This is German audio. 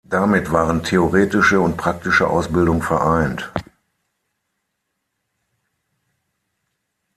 Damit waren theoretische und praktische Ausbildung vereint.